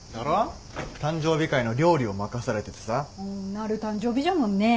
なる誕生日じゃもんね。